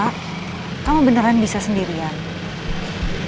kamu beneran bisa sendirian